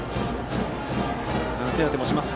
手当てもします。